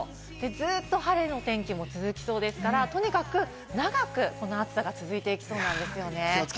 ずっと晴れの天気も続きそうですからとにかく長くこの暑さが続いていきそうなんですよね。